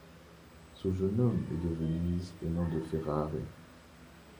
Ce jeune homme est de Venise et non de Ferrare.